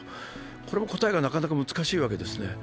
これも答えがなかなか難しいわけですね。